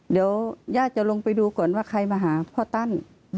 เดี๋ยวย่าจะลงไปดูก่อนว่าใครมาหาพ่อตั้น